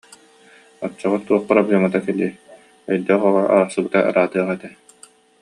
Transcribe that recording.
Оччоҕо туох проблемата кэлиэй, өйдөөх оҕо арахсыбыта ыраатыах этэ